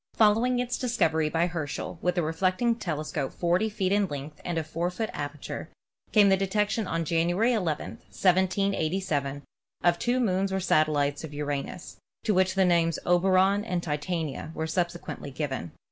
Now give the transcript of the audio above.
Following its discovery by Herschel, with a reflecting telescope 40 feet in length and of 4 foot aperture, came the detection on January 11, 1787, of two moons or satel lites of Uranus, to which the names of Oberon and Titania were subsequently given.